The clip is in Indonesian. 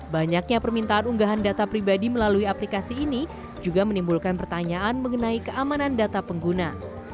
banyaknya permintaan unggahan data pribadi melalui aplikasi ini juga menimbulkan pertanyaan mengenai keamanan data pengguna